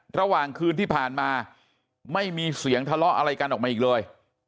ระหว่างคืนที่ผ่านมาไม่มีเสียงทะเลาะอะไรกันออกมาอีกเลย